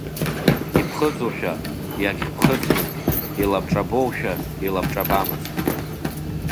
Иԥхыӡушәа иагьԥхыӡмызт, илабҿабоушәа илабҿабамызт.